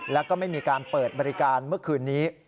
แล้วก็ไม่มีการเปิดบริการเมื่อคืนนี้